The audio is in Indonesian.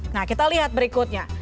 nah kita lihat berikutnya